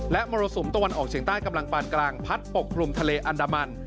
และมรสุมตะวันออกเฉียงใต้กำลังปานกลางพัดปกคลุมทะเลอันดามัน